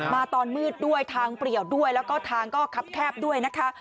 ตอนมืดด้วยทางเปรียวด้วยแล้วก็ทางก็คับแคบด้วยนะคะ